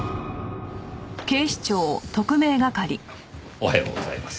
おはようございます。